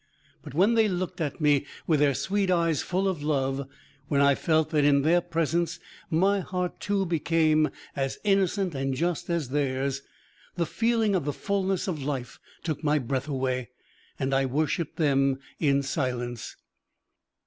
But when they looked at me with their sweet eyes full of love, when I felt that in their presence my heart, too, became as innocent and just as theirs, the feeling of the fullness of life took my breath away, and I worshipped them in silence.